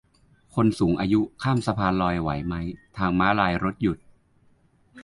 คนสูงอายุข้ามสะพานลอยไหวมั้ย ทางม้าลายรถหยุด